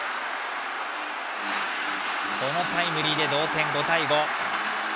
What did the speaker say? このタイムリーで同点、５対５。